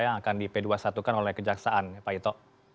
yang akan di p dua puluh satu kan oleh kejaksaan ya pak ito